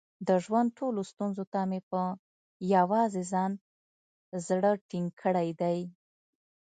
د ژوند ټولو ستونزو ته مې په یووازې ځان زړه ټینګ کړی دی.